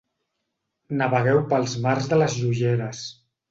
Navegueu pels mars de les joieres.